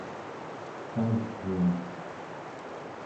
pag'um